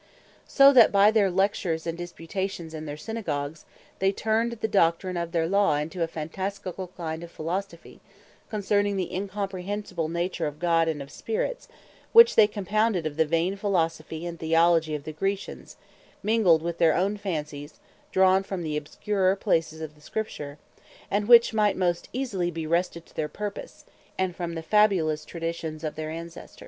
So that by their Lectures and Disputations in their Synagogues, they turned the Doctrine of their Law into a Phantasticall kind of Philosophy, concerning the incomprehensible nature of God, and of Spirits; which they compounded of the Vain Philosophy and Theology of the Graecians, mingled with their own fancies, drawn from the obscurer places of the Scripture, and which might most easily bee wrested to their purpose; and from the Fabulous Traditions of their Ancestors.